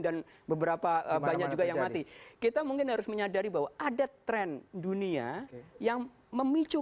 dan beberapa banyak juga yang mati kita mungkin harus menyadari bahwa ada tren dunia yang memicu